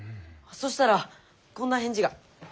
そしたらこんな返事が。